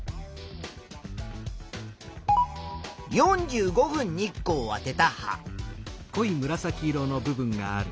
４５分日光をあてた葉。